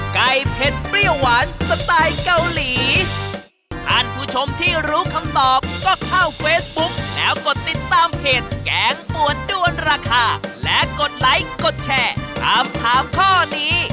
๓ไก่เผ็ดเปรี้ยวหวานสไตล์เกาหลี